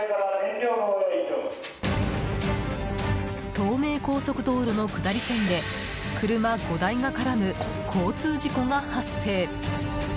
東名高速道路の下り線で車５台が絡む交通事故が発生。